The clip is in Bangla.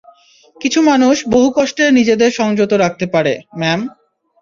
কিছু মানুষ বহু কষ্টে নিজেদের সংযত রাখতে পারে, ম্যাম।